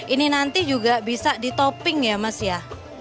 ini nanti juga bisa di topping ya mas ya